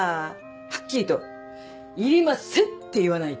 はっきりと「いりません！」って言わないと。